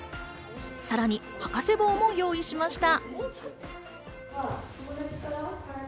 さらに博士帽も用意しました。